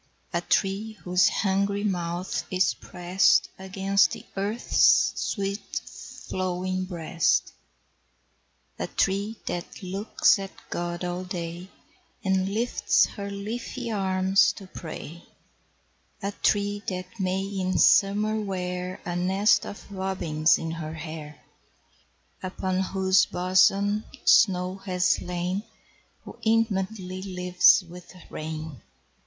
A tree whose hungry mouth is prest Against the earth's sweet flowing breast; A tree that looks at God all day, And lifts her leafy arms to pray; A tree that may in Summer wear A nest of robins in her hair; Upon whose bosom snow has lain; Who intimately lives with rain.